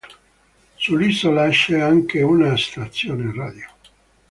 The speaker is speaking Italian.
Sull'isola c'è anche una stazione radio.